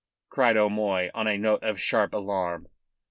cried O'Moy on a note of sharp alarm.